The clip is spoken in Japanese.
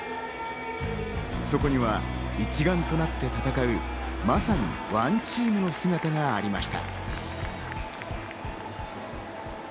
そこには一丸となって戦う、まさにＯＮＥＴＥＡＭの姿がありました。